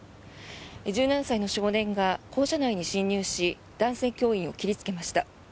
１７歳の少年が校舎内に侵入し男性教員を切りつけました。